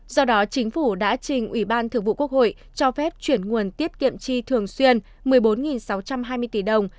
do đó chính phủ đã trình ubnd cho phép chuyển nguồn tiết kiệm chi thường xuyên một mươi bốn sáu trăm hai mươi tỷ đồng